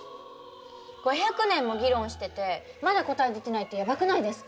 ５００年も議論しててまだ答え出てないってやばくないですか？